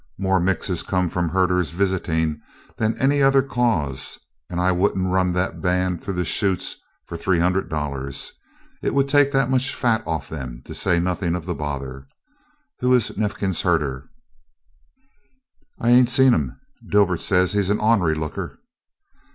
More 'mixes' come from herders visiting than any other cause, and I wouldn't run that band through the chutes for three hundred dollars. It would take that much fat off of them, to say nothing of the bother. Who is Neifkins's herder?" "I ain't seen him. Dibert says he's an o'nery looker."